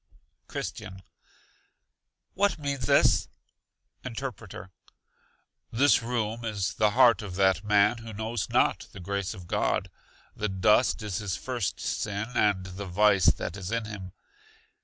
Christian. What means this? Interpreter. This room is the heart of that man who knows not the grace of God. The dust is his first sin and the vice that is in him.